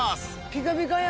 ピカピカや！